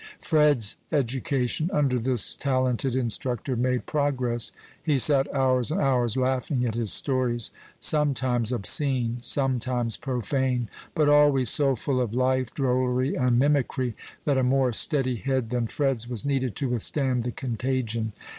Fred's education, under this talented instructor, made progress. He sat hours and hours laughing at his stories sometimes obscene, sometimes profane, but always so full of life, drollery, and mimicry that a more steady head than Fred's was needed to withstand the contagion.